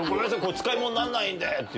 使い物にならないんで！って。